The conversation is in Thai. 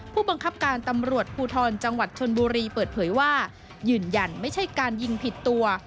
ผู้บังคับการตำรวจภูทรจังหวัดชนบุรีเปิดเผยว่ายืนยันไม่ใช่การยิงผิดตัว